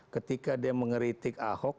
ketika dia mengeritik ahok